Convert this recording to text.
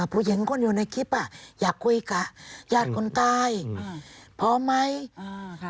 ผู้หญิงคนอยู่ในคลิปอ่ะอยากคุยกับญาติคนตายพร้อมไหมอ่าค่ะ